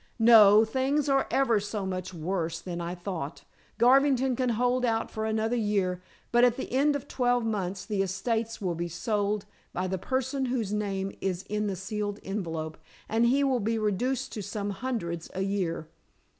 "No. Things are ever so much worse than I thought. Garvington can hold out for another year, but at the end of twelve months the estates will be sold up by the person whose name is in the sealed envelope, and he will be reduced to some hundreds a year.